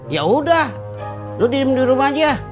yaudah lu diem di rumah aja